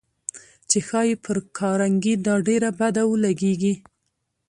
چې ښايي پر کارنګي دا ډېره بده ولګېږي.